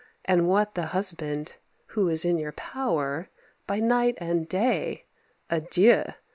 And what the husband, who is in your power By night and day? Adieu!